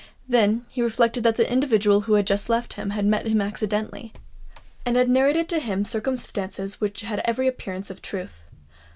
Then he reflected that the individual who had just left him, had met him accidentally, and had narrated to him circumstances which had every appearance of truth.